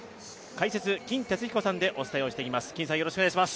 解説、金哲彦さんでお伝えしていきます。